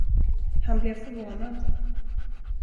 Han blev förvånad.